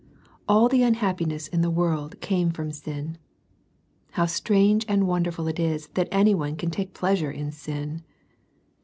All the unhappiness in the world came from sin. How strange and wonderful it is that any one can take pleasure in sin